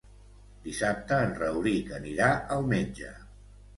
Dissabte en Rauric anirà al metge.